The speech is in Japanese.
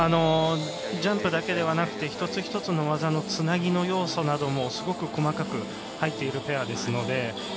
ジャンプだけではなくて一つ一つの技のつなぎの要素などもすごく細かく入っているペアですので。